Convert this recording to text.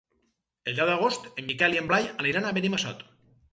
El deu d'agost en Miquel i en Blai aniran a Benimassot.